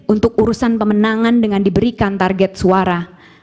untuk urusan pemenangan dengan diberikan target suara